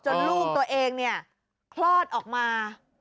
ลูกตัวเองเนี่ยคลอดออกมา